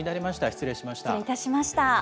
失礼いたしました。